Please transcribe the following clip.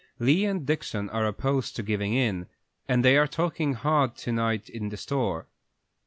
"Lee and Dixon are opposed to giving in, and they are talking hard to night in the store.